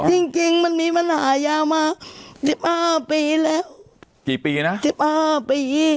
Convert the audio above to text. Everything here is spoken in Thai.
จริงจริงมันมีปัญหายามาสิบห้าปีแล้วกี่ปีนะสิบห้าปี